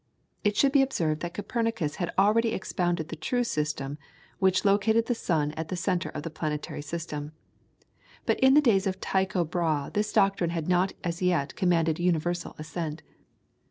It should be observed that Copernicus had already expounded the true system, which located the sun at the centre of the planetary system. But in the days of Tycho Brahe this doctrine had not as yet commanded universal assent.